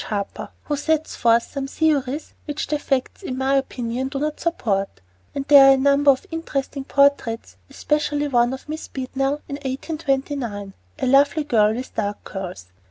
Harper, who sets forth some theories which the facts, in my opinion, do not support; and there are a number of interesting portraits, especially one of Miss Beadnell in 1829 a lovely girl with dark curls.